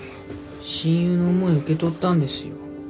親友の思い受け取ったんですよ。